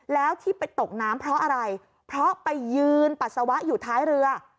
แล้วที่ไปตกน้ำเพราะอะไรเพราะไปยืนปัสสาวะอยู่ท้ายเรือ